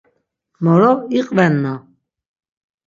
Moro iqvenna?